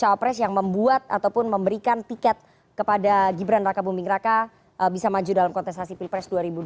dan juga capres yang membuat ataupun memberikan tiket kepada gibran raka buming raka bisa maju dalam konteksasi pilpres dua ribu dua puluh empat